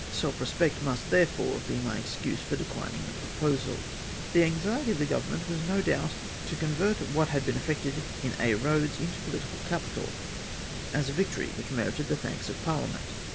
Self respect must, therefore, be my excuse for dechning the pro posal. The anxiety of the then Government was, no doubt, to convert what had been effected in Aix Eoads into political capital, as a victory which merited the thanks of parliament.